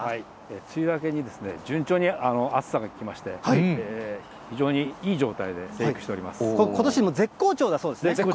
梅雨明けに順調に暑さが来まして、非常にいい状態で生育してことし、もう、絶好調ですね。